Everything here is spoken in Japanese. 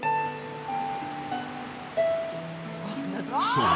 ［そう。